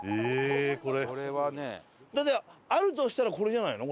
だってあるとしたらこれじゃないの？